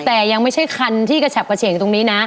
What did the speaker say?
แต่ยังไม่ใช่คันที่กระฉับกระเฉงตรงนี้นะ